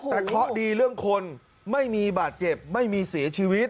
แต่เคราะห์ดีเรื่องคนไม่มีบาดเจ็บไม่มีเสียชีวิต